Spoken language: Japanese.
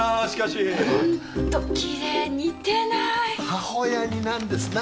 母親似なんですな。